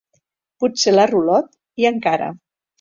Potser la rulot, i encara.